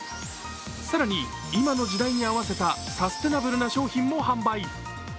更に、今の時代に合わせたサステナブルな商品も販売。